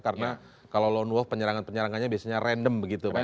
karena kalau lone wolf penyerangan penyerangannya biasanya random begitu pak ya